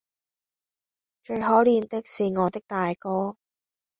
最可憐的是我的大哥，